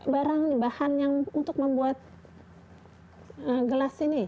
barang bahan yang untuk membuat gelas ini